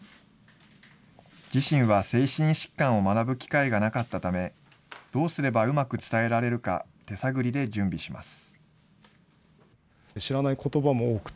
自身は精神疾患を学ぶ機会がなかったため、どうすればうまく伝えられるか、手探りで準備します。